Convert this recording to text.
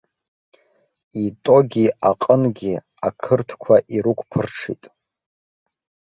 Итоги аҟынгьы ақырҭқәа ирықәԥырҽит.